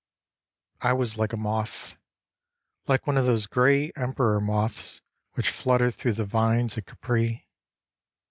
I was like a moth Like one of those grey Emperor moths Which flutter through the vines at Capri.